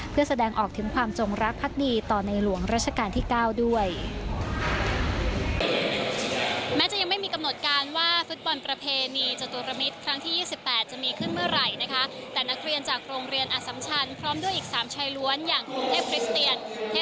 เพื่อแสดงออกถึงความจงรักพักดีต่อในหลวงราชการที่๙ด้วย